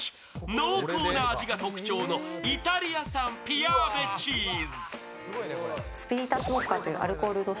濃厚な味が特徴のイタリア産ピアーヴェチーズ。